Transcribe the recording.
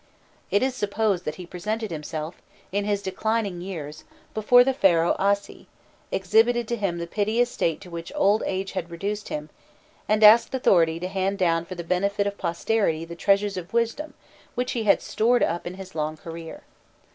It is supposed that he presented himself, in his declining years, before the Pharaoh Assi, exhibited to him the piteous state to which old age had reduced him, and asked authority to hand down for the benefit of posterity the treasures of wisdom which he had stored up in his long career.